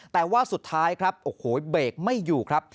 แต่ว่าสุดท้ายครับโอ้โหเบรกไม่อยู่ครับ